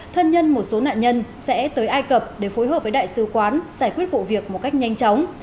thân nhân một số nạn nhân sẽ tới ai cập để phối hợp với đại sứ quán giải quyết vụ việc một cách nhanh chóng